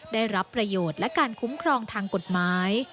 ได้รับประโยชน์และการคุ้มครองทางกฎหมาย